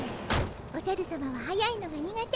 おじゃるさまははやいのが苦手。